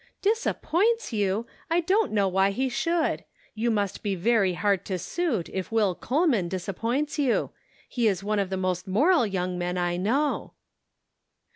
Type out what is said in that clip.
" Disappoints you ! I don't know why he should. You must be very hard to suit if Will Coleman disappoints you. He is one of the most moral young men I know."